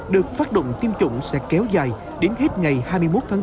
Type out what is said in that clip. được phát động tiêm chủng sẽ kéo dài đến hết ngày hai mươi một tháng tám trên địa bàn bảy quận huyện